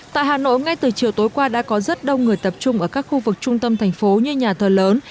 tại hà nội ngay từ chiều tối qua đã có rất đông người tập trung ở các khu vực trung tâm thành phố như nhà thờ lớn